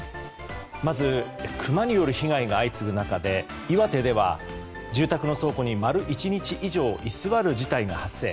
まずクマによる被害が相次ぐ中で、岩手では住宅の倉庫に丸１日以上居座る事態が発生。